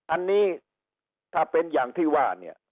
อันนี้ถ้าเป็นอย่างที่ว่าเนี่ย